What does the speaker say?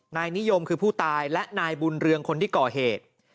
นายนิยมคือผู้ตายและนายบุญเรืองคนที่ก่อเหตุ